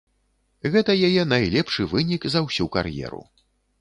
Гэта яе найлепшы вынік за ўсю кар'еру.